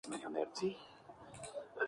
Descritos por Kenneth E. Campbell, Jr.